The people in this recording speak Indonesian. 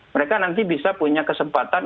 mereka nanti bisa punya kesempatan